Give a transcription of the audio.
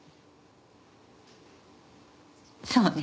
そうね。